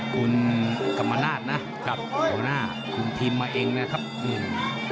คุณกรรมนาฏนะคุณทีมมาเองนะครับอืม